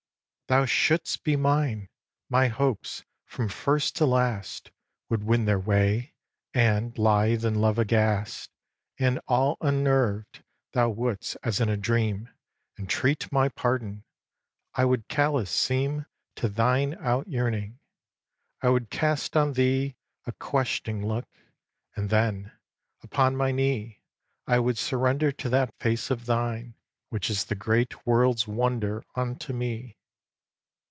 xii. Thou shouldst be mine! My hopes, from first to last, Would win their way; and, lithe and love aghast, And all unnerv'd, thou wouldst, as in a dream Entreat my pardon! I would callous seem To thine out yearning. I would cast on thee A questioning look, and then, upon my knee, I would surrender to that face of thine Which is the great world's wonder unto me.